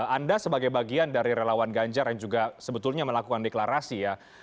anda sebagai bagian dari relawan ganjar yang juga sebetulnya melakukan deklarasi ya